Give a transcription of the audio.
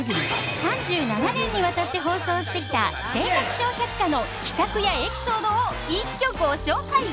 ３７年にわたって放送してきた「生活笑百科」の企画やエピソードを一挙ご紹介！